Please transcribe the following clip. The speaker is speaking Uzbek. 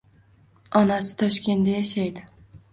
Onasi Toshkentda yashaydi